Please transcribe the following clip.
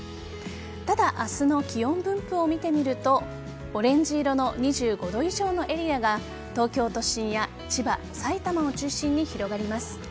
ただ明日の気温分布を見てみるとオレンジ色の２５度以上のエリアが東京都心や千葉、埼玉を中心に広がります。